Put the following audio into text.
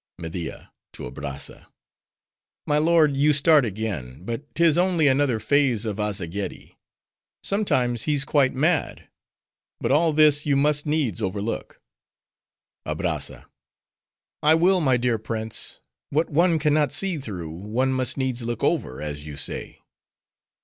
MEDIA (to Abrazza)—My lord, you start again; but 'tis only another phase of Azzageeddi; sometimes he's quite mad. But all this you must needs overlook. ABRAZZA—I will, my dear prince; what one can not see through, one must needs look over, as you say.